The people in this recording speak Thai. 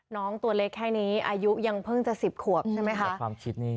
น้องตัวเล็กแค่นี้อายุยังเพิ่งจะสิบขวบใช่ไหมคะ